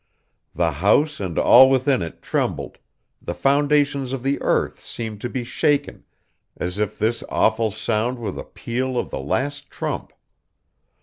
The house and all within it trembled; the foundations of the earth seemed to be shaken, as if this awful sound were the peal of the last trump.